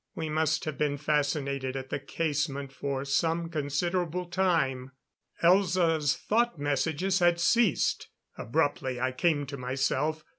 We must have been fascinated at the casement for some considerable time. Elza's thought messages had ceased. Abruptly I came to myself.